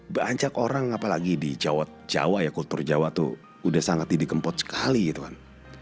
banyak orang apalagi di jawa ya kultur jawa tuh udah sangat didi kempot sekali gitu kan